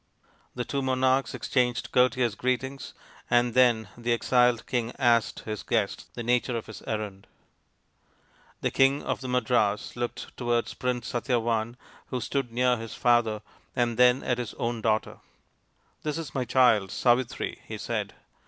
The two monarchs exchanged courteous greetings, and then the exiled king asked his guest the nature of his errand. The King of the Madras looked towards Prince Satyavan, who stood near his father, and then at his own daughter. " This is my child, Savitri," he said.